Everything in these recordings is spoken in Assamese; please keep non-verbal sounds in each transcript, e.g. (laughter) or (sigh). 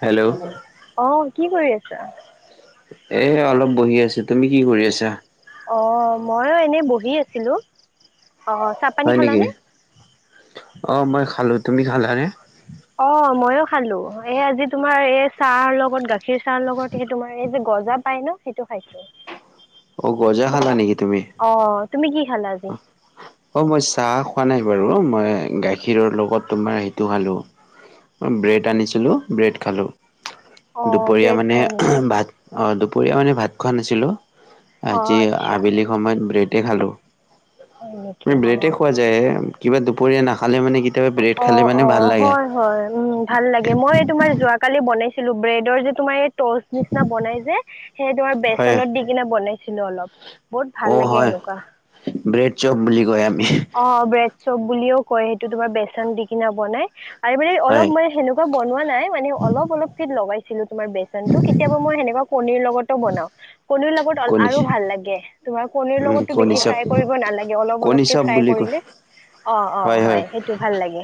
হেল্ল' অ কি কৰি আছা? এ অলপ বহি আছো। তুমি কি কৰি আছা? অ মই এনে বহি আছিলোঁ। অ চাহ পানী হয় নেকি? খালানে? অঁ মই খালোঁ তুমি খালানে? অ ময়ো খালো। এই আজি তোমাৰ এই চাহৰ লগত গাখীৰ চাহৰ লগত হে তোমাৰ এইযে গজাত পাই ন সেইটো খাইছোঁ। অ গজা খালা নেকি তুমি? অ তুমি কি খালা? আজি? অ মই চাহ খোৱা নাই বাৰু, মই গাখীৰৰ লগত তোমাৰ সেইটো খালো ব্ৰেড আনিছিলো ব্ৰেড খালো, অ' দুপৰীয়া ব্ৰেড মানে খালা নেকি? ভাত অঁ দুপৰীয়া মানে ভাত খোৱা নাছিলোঁ, অ' আজি আচ্ছা আবেলি সময়ত ব্ৰেডেই খালোঁ। হয় নেকি? ব্ৰেডে অ' খোৱা যায় কিবা দুপৰীয়া নাখালে মানে কেতিয়াবা ব্ৰেড অ খালে মানে অ ভাল লাগে হয় হয় উম ভাল লাগে। মই তোমাৰ যোৱা কালি বনাইছিলোঁ ব্ৰেডৰ যে তোমাৰ এই টছ নিচিনা বনাই যে সেই তোমাৰ হয় বেচনত কিনে বনাইছিলো অলপ। বহুত ভাল অ লাগে হয় সেনেকুৱা। ব্ৰেড চপ বুলি কয় আমি অ ব্ৰেড চব বুলিও কয়। সেইটো তোমাৰ বেচন দি কিনা বনাই আৰু মানে হয় অলপ মানে সেনেকুৱা বনোৱা নাই। মানে অলপ অলপকে লগাইছিলোঁ তোমাৰ বেচন টো কেতিয়াবা মই সেনেকুৱা কণীৰ লগতো বনাও। কণীৰ লগত আৰু কণী ভাল লাগে। তোমাৰ কণীৰ উম লগতো কণী বেছি চপ ফ্ৰাই কৰিব নালাগে অলপ কণী অলপকে চপ ফ্ৰাই বুলি কয় কৰিলে অ অ হয় সেই টো ভাল লাগে।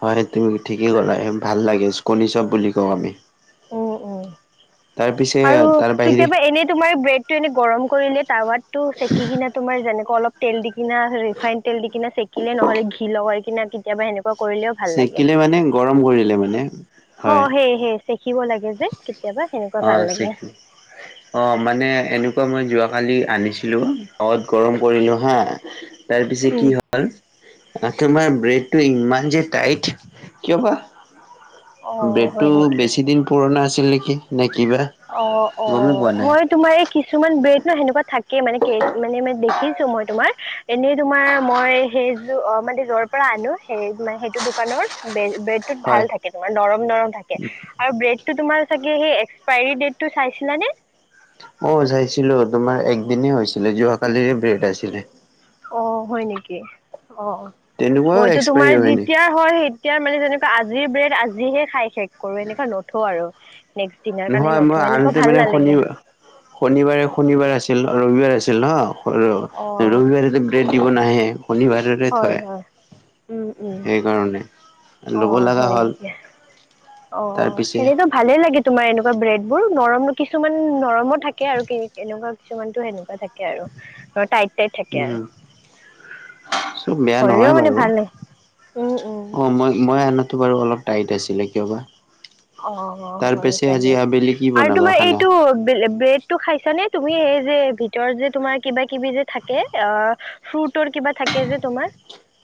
হয় তুমি ঠিকেই ক'লা ভাল লাগে কণী চপ বুলি কওঁ আমি। উম উম তাৰ পিছে আৰু তাৰ বাহিৰে কেতিয়াবা এনে তোমাৰ ব্ৰেড এনে গৰম কৰিলে তাৱাত টো চেকি কিনা তোমাৰ যেনেক অলপ তেল দি কিনা ৰিফাইন তেল দি কিনা চেকিলে নহ'লে ঘি লগাই কিনা কেতিয়াবা সেনেকুৱা কৰিলেও ভাল লাগে। চেকিলে মানে গৰম কৰিলে মানে অ হয় সেই সে শিকিব লাগে যে কেতিয়াবা সেনেকুৱা অ ভাল লাগে। চেকি অ মানে এনেকুৱা মই যোৱাকালি আনিছিলোঁ ঘৰত গৰম কৰিলো হা তাৰপিছে কি হ'ল আৰু তোমাৰ ব্ৰেডটো ইমান যে টাইত কিয় বা? অঁ হয় ব্ৰেডটো নেকি বেছিদিন পুৰণা আছিল নেকি নে কিবা? অ অ গমেই পোৱা নাই হয় তোমাৰ এই কিছুমান ব্ৰেড ন সেনেকুৱা থাকেই, মানে মানে দেখি, দেখিছোঁ মই তোমাৰ, এনেই তোমাৰ মই সেইযোৰ অ মানে যৰ পৰা আনো সেই সেইটো দোকানৰ ব্ৰেডটোত ভাল হয় থাকে তোমাৰ নৰম নৰম থাকে, আৰু ব্ৰেডটো তোমাৰ চাগে সেই এক্সপাইৰি ডেটটো চাইছিলানে? অ চাইছিলো তোমাৰ একদিনে হৈছিলে যোৱাকালিৰে ব্ৰেড আছিলে। অ হয় নেকি? অ তেনেকুৱাও মইতো তোমাৰ এক্সপায়াৰী হয় নি যেতিয়া হয় সেই তেতিয়াৰ মানে যেনেকুৱা আজিৰ ব্ৰেড আজিহে খাই শেষ কৰো এনেকুৱা নথোও আৰু নেক্স নহয় মই আনোতে মানে শনি শনিবাৰে শনিবাৰে আছিল ৰবিবাৰ আছিল হ অঁ ৰবিবাৰে ব্ৰেড দিব নাহে শনিবাৰৰে হয় থয় হয় সেইকাৰণে। অ ল'ব লগা হয় হ'ল নেকি? অ তাৰ পিছে সেনেতো ভালেই লাগে তোমাৰ এনেকুৱা ব্ৰেডবোৰ, নৰম কিছুমান নৰমো থাকে আৰু এনেকুৱা কিছুমানতটো সেনেকুৱা থাকে। আৰ টাইট টাইট থাকে আৰু। উম চব বেয়া হ'লেও নহয় মানে বাৰু ভাল লাগে উম উম অ মই মই আ টো বাৰু অলপ টাইট আছিলে কিয় বা? অ' তাৰ হয় পিছে আজি চাগে আবেলি কি আৰু বনাবা তোমাৰ খানা? এইটো ব্ৰেড টো খাইছানে তুমি সেই যে ভিতৰত যে তোমাৰ কিবা কিবি যে থাকে অ ফ্ৰুটৰ কিবা থাকে যে তোমাৰ।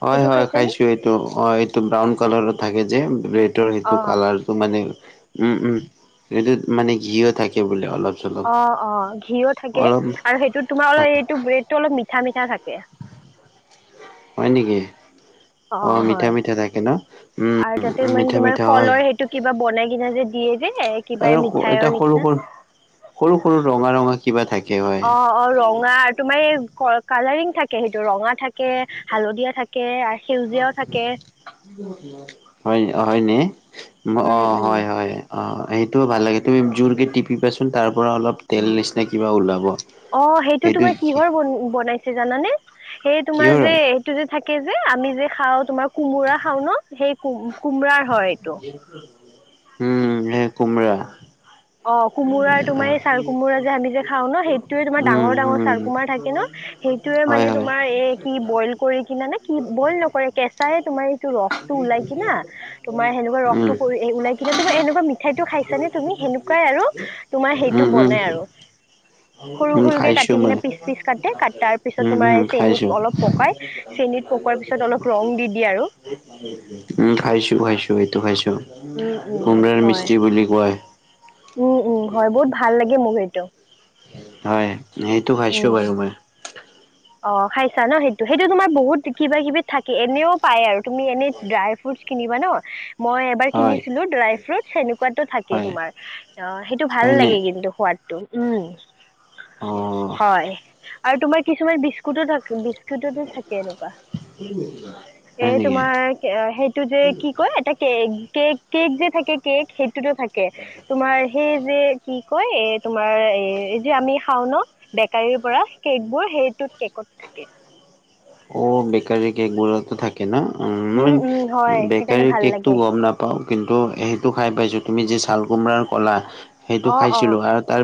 হয় সেইটো হয় খাইছানে খাইছো। এইটো অ' এইটো ব্ৰাউন কালাৰো থাকে যে ৰেডৰ অ সেইটো কালাৰ। মানে উম -উম সেইটো মানে ঘিও থাকে বোলে অলপ। চলপ অ- অ ঘিও থাকে অলপ আৰু সেইটো তোমাৰ অলপ এই ব্ৰেডটো অলপ মিঠা মিঠা থাকে। হয় নেকি? (inaudible) অ' মিঠা হয় মিঠা থাকে ন উম আৰু তাতে মান মিঠা তোমাৰ মিঠা হয় ফলৰ সেইটো কিবা বনাই কিনা যে দিয়ে যে। কিবা আৰু এটা মিঠাইৰ সৰু নিচিনা। সৰু সৰু সৰু ৰঙা ৰঙা। কিবা থাকে। হয় অ, অ ৰঙা। তোমাৰ এই কালাৰিং থাকে সেইটো ৰঙা থাকে হালধীয়া থাকে। সেউজীয়াও থাকে হয় হয় নে? অ উম উম হয় হয়। অ' সেইটো ভাল লাগে তুমি জোৰকে টিপিবাচোন তাৰ পৰা অলপ তেল নিচিনা কিবা ওলাব। অ সেইটো তোমাৰ কিহৰ বনাইছে জানানে? সেই তোমাৰ কিহৰ যে হয় এইটো যে থাকে যে আমি যে খাওঁ তোমাৰ কোমোৰা খাও ন, সেই কোমোৰা হয় এইটো। উম হেই কুমৰা। অ' কোমোৰাৰ তোমাৰ এই ছাল কোমোৰা যে আমি যে খাওঁ ন, সেইটোয়ে তোমাৰ উম ডাঙৰ ডাঙৰ ছাল উম কোমাৰ থাকে ন। সেইটোয়ে হয় মানে হয় তোমাৰ এই কি বইল কৰি কিনে নে কি বইল নকৰে কেঁচাই তোমাৰ ৰস টো ওলাই কিনা তোমাৰ সেনেকুৱা উম ৰসটো কৰি ওলাই কিনা তোমাৰ এনেকুৱা সেইটো খাইছানে তুমি? সেনেকুৱাই আৰু তোমাৰ উম সেইটো উম বনাই আৰু। উম সৰু-সৰুকে খাইছো কাটি কিনে মই পিচ-পিচ কাট তাৰ পিছত উম উম তোমাৰ চেনি খাইছো অলপ পকাই চেনি ত পকোৱাৰ পিছত অলপ ৰং দি দিয়ে আৰু। উম খাইছো খাইছো এইটো খাইছো উম উম কোমৰাৰ হয় মিস্ত্ৰী বুলি কয়। উম, উম হয় বহুত ভাল লাগে মুভিটো। হয় সেইটো খাইছো উম বাৰু মই। অ, খাইছা ন সেইটো সেইটো তোমাৰ বহুত কিবা কিবি থাকে এনেও পায় আৰু তুমি এনে ড্ৰাই ফ্ৰুটছ কিনিবা ন মই এবাৰ হয় কিনিছিলো ড্ৰাই ফ্ৰুট সেনেকুৱাতটো থাকে হয় তোমাৰ। অ' সেইটো ভাল হয়নে লাগে কিন্তু সোৱাদটো উম। অ'। হয় আৰু তোমাৰ কিছুমান বিস্কুতো থাকে বিস্কুতো থাকে এনেকুৱা। এ, হয় নেকি তোমাৰ সেইটো যে কি কয় এটা কে কেক কেক যে থাকে কেক সেইটোতো থাকে তোমাৰ সেই যে কি কয় তোমাৰ এই যে আমি খাও ন' বেকাৰীৰ পৰা কেক বোৰ সেইটোত কেকত থাকে। অ, বেকাৰি কেক গো থাকে ন ম উম উম হয় সেইকাৰণে বেকাৰিৰ ভাল কেক তো লাগে গম নাপ পাওঁ কিন্তু সেইটো খাই পাইছোঁ তুমি যি ছাল কোমোৰাৰ ক'লা সেইটো অঁ অঁ খাইছিলোঁ আৰু তাৰ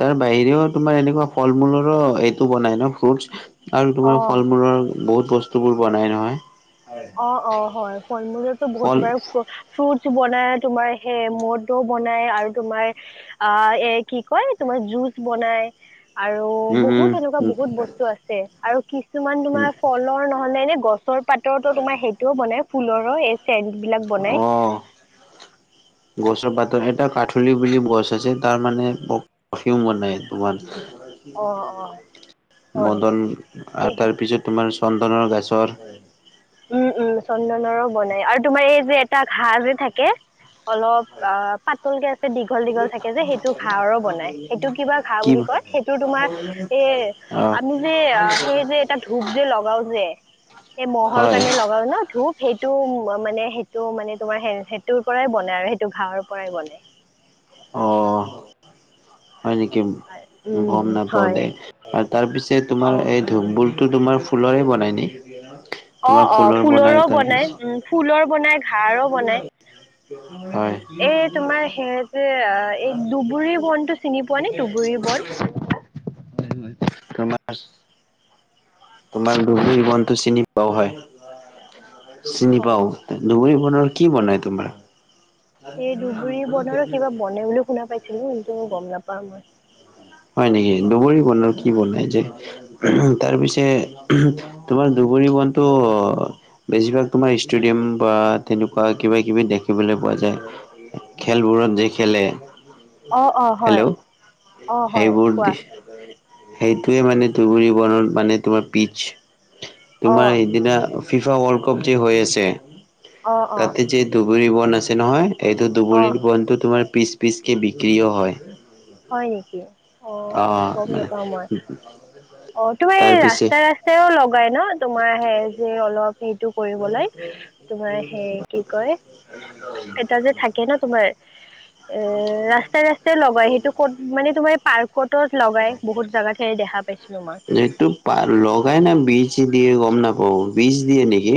তাৰ বাহিৰেও তোমাৰ এনেকুৱা ফল মূলৰো এইটো বনাই ন ফ্ৰুটচ। আৰু তোমাৰ অঁ ফল-মূলৰ বহুত বস্তু বোৰ বনাই নহয়। অ', অ' হয় ফল মূলো বহুত ফল বাৰ ফ্ৰুটছ বনাই তোমাৰ সেই মদ বনাই আৰু তোমাৰ আ এ কি কয় তোমাৰ জুচ বনাই। আৰু উম, বহুত এনেকুৱা উম, বহুত বস্তু আছে আৰু। কিছুমান উম, তোমাৰ ফলৰ নহলে এনে গছৰ পাতৰো তোমাৰ সেইটোও বনাই। ফুলৰো এইচেণ্ট বিলাক বনাই। অ', গছৰ পাতৰ এটা কাঠলি বুলি গছ আছে তাৰ মানে পাৰফিউম বনাই তোমাৰ। অঁ অঁ হয় মদন আ এহ তাৰ পিছত তোমাৰ চন্দনৰ গাছৰ উম, উম চন্দনৰো বনাই আৰু তোমাৰ এই যে এটা ঘাঁহ যে থাকে অলপ আ- পাতল কে আছে দীঘল দীঘল থাকে যে সেইটো ঘাঁহ বনাই সেইটো কিবা ঘাঁহ কি বুলি কয়? সেইটো তোমাৰ এ অ', আমি যে সেই যে এটা ধূপ যে লগাও যে। এ, মহৰ কাৰণে হয়। ল গাও ন, ধূপ সেইটো মানে সেইটো মানে তোমাৰ সেইটোৰ পৰাই বন আৰু সেইটো ঘাৰ পৰাই বনাই। অঁ। হয় নেকি উম গম নাপাও হয় দে আৰু তাৰ পিছে তোমাৰ অ এই ধুব বোৰ কি তোমাৰ ফুলৰে বনাই নি? তোমাৰ অঁ অঁ ফুলৰ ফুলৰো তাৰ বনাই পিছত উ ফুলৰ বনাই ঘাৰো বনায়। হয়। তোমাৰ সেই যে এই দুবুৰী বনটো চিনি পোৱা নে দুবুৰী বন? (unintelligible) তোমাৰ দুবুৰী বনটো চিনি পাওঁ হয় চিনি অঁ পাওঁ। ধুবুৰি বনৰ কি বনায় তোমাৰ। সেই ধুবুৰী বনৰো কিবা বনে বুলি শুনা পাইছিলো কিন্তু গম নাপাওঁ মই। হয় নেকি, দুবৰি বনৰ কি বনাই যে তাৰপিছে তোমাৰ দুবৰী বনটো বেছিভাগ তোমাৰ ইষ্টোদিয়াম বা তেনেকুৱা কিবা কিবি দেখিবলৈ পোৱা যায়। খেলবোৰত যে খেলে অঁ অঁ হয়। হেল্ল' অঁ হয় সেইবোৰ দি কোৱা সেইটোৱে মানে দুবুৰী বনৰ মানে তোমাৰ পিচ। তোমাৰ অঁ সেদিনা ফিফা ৱৰ্ল্ড কাপ যে হৈ আছে অঁ অঁ তাতে যে দুবুৰি বন আছে নহয় এইটো অঁ দুবুৰী বনটো তোমাৰ পিচ -পিচকে বিক্ৰীয়ো হয়। হয় নেকি অ, গম নাপাওঁ মই অহ তোমাৰ তাৰ এই পিছে ৰাস্তাই - ৰাস্ত তেওঁ লগাই ন' তোমাৰ হে যে অলপ সেইটো কৰিবলৈ তোমাৰ হে কি কৰে, এটা যে থাকে ন তোমাৰ এ ৰাস্তাই- ৰাস্তাই লগাই সেইটো ক'ত মানে তোমাৰ এই পাৰ্কত লগাই বহুত জাগাত হেই দেখা পাইছিলোঁ মই। যিহেতু পা লগাই নে বীজে দিয়ে গম নাপাওঁ বীজ দিয়ে নেকি।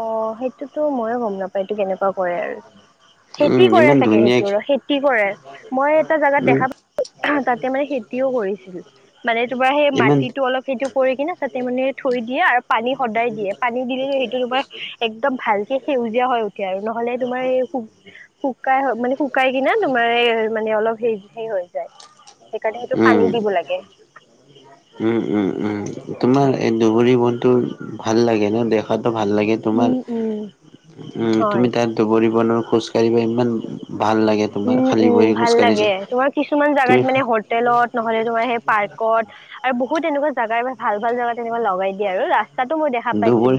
অঁ', সেইটোতো ময়ো গম নাপাই এইটো কেনেকুৱা কৰে আৰ খেতি উম কৰে ইমান চাগে ধুনীয়া সেইটোৰ খেতি কৰে মই এটা জাগাত দেখা পা (unintelligible) মানে তোমাৰ সেই ইমান মাটিটো অলপ সেইটো কৰি কিনে তাতে মানে থৈ দিয়ে আৰু পানী সদায় দিয়ে পানী দিলে স তোমাৰ একদম ভালকে সেউজীয়া হৈ উঠে আৰু নহ'লে তোমাৰ এই শুক শুকাই মানে শুকাই কিনে তোমাৰ মানে এ অলপ হে হেই হৈ যায়। সেইকাৰণে সেইটো উম পানী দিব লাগে। উম- উম -উম তোমাৰ এই দুবুৰী বনটো ভাল লাগে ন দেখাটো ভাল লাগে। তোমাৰ উম উম উম তুমি হয়। তাৰ দুবুৰী বনৰ খোজ কাঢ়িব ইমান ভাল লাগে। তোমাৰ উম- খালী উম ভৰি খোজ ভাল লাগে কাঢ়িছে। তোমাৰ কিছুমান জাগাত তুমি মানে হট হোটেলত নহ'লে তোমাৰ সেই পাৰ্কত আৰু বহুত তেনেকুৱা জাগা ভাল -ভাল জাগা তেনেকোৱা লগাই দিয়ে আৰু ৰা দুবুৰী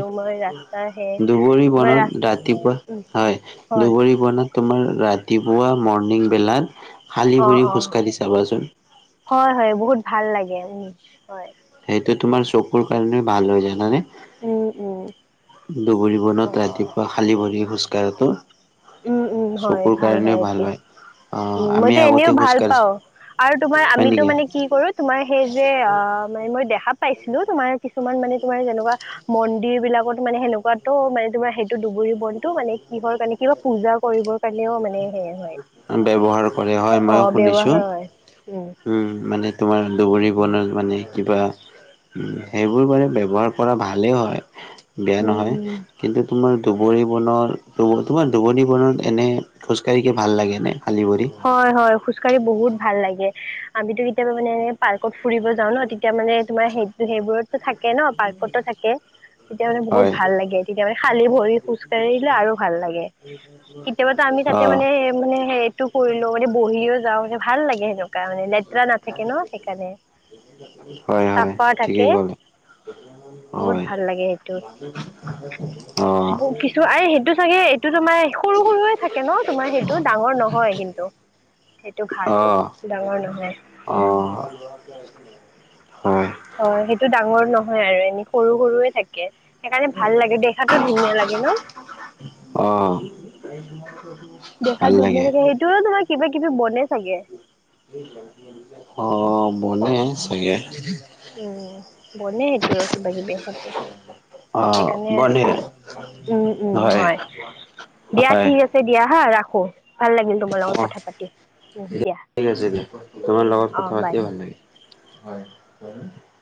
সেই -দুবুৰী তোমাৰ ৰাস বনত ৰাতিপুৱা উম হয়। হয় দুবুৰী বনত তোমাৰ ৰাতিপুৱা মৰ্ণিংবেলাত খালি অ ভৰি অ খোজকাঢ়ি চাবাচোন। হয়- হয় বহুত ভাল লাগে উম হয়। সেইটো তোমাৰ চকুৰ কাৰণে ভাল হয় জানানে? উম -উম দুবুৰী অ বনত ৰাতিপুৱা খালী ভৰি খোজ কাঢ়াতো উম উম হয় ভাল হয় এইটো। অ', উম আমি মইতো আগতে এনেওঁ খোজ ভাল কাঢ়িছো পাওঁ আৰু তোমাৰ হয় আমিতো নেকি? মানে কি কৰোত তোমাৰ সেই যে অ মানে মই দেখা পাইছিলোঁ তোমাৰ কিছুমান মানে তোমাৰ যেনেকুৱা মন্দিৰ বিলাকত মানে সেনেকুৱা ত মানে তোমাৰ সে- টো দুবুৰী বনটো মানে কিহৰ কাৰণে কিবা পূজা কৰিব কাৰণেও মানে সেই হয়, ব্যৱহাৰ কৰে হয় অ ময়ো শুনিছো। ব্যৱহাৰ হয় উম। উম, মানে তোমাৰ দুবুৰী বনত মানে কিবা উম, সেইবোৰ মানে ব্যৱহাৰ কৰা ভালে হয়। বেয়া উম নহয় উম কিন্তু তোমাৰ দুবুৰী বনৰ ক'ব তোমাৰ দুবুৰী বনত এনে খোজকাঢ়ি ভাল লাগে নে খালি ভৰি হয় হয় খোজকাঢ়ি বহুত ভাল লাগে আমিতো কেতিয়াবা মানে পাৰ্কত ফুৰিব যাও ন, তেত- তেয়া মানে তোমাৰ সেই সেইবোৰতো থাকে ন পাৰ্কতো থাকে। তেতিয়া মানে বহুত ভাল হয় লাগে তেতিয়া মানে খালী ভৰি খোজকাঢ়ি দিলে আৰু ভাল লাগে। কেতিয়াবাতো আমি তাতে অ মানে মানে সেইত টো কৰিলও মানে বহিও যাওঁ মানে ভাল লাগে সেনেকোৱা মানে লেত- তেৰা নাথাকে ন সেইকাৰণে হয় হয় চাফা থাকে। ঠিকেই ক'লে বহুত হয় ভাল লাগে সেইটো অ (unintelligible) টো আৰে সেইটো চাগে এইটো তোমাৰ সৰু সৰুৱে থাকে ন তোমাৰ সেইটো ডাঙৰ নহয় কিন্তু। সেইটো অ ঘাহটো ডাঙৰ নহয়। অ, হয়। হয় সেইটো ডাঙৰ নহয় আৰু এনে সৰু সৰুৱে থেক- কে সেইকাৰণে ভাল লাগে দেখাতো ধুনীয়া লাগে ন। অহ। দেখাত ধুনীয়া থাকে সেইটো তোমাৰ কিবা কিবি বনে চাগে। অ বনে চাগে। উম বনে সেইটো কিবা কিবি সেটো। অ সেইকাৰণে বনে উম উম হয় দিয়া হয় ঠিক আছ- ছে দিয়া হা ৰাখোঁ। ভাল লাগিল তোমাৰ লগত অ কথা পাতি দিয়া ঠিক আছে দিয়া তোমাৰ লগত অঁ কথা বাই পাতিয়ে ভাল লাগিল। হয়।